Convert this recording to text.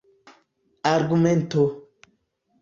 argumento